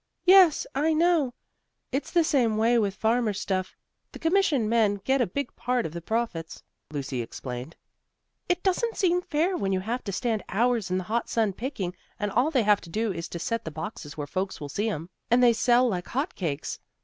"Yes, I know. It's the same way with farmers' stuff. The commission men get a big part of the profits," Lucy explained. "It doesn't seem fair when you have to stand hours in the hot sun picking, and all they have to do is to set the boxes where folks will see them, and they sell like hot cakes.